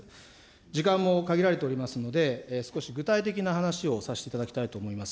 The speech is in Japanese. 時間も限られておりますので、少し具体的な話をさせていただきたいと思います。